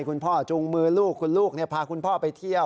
คุณพ่อจูงมือลูกคุณลูกเนี่ยพาคุณพ่อไปเที่ยว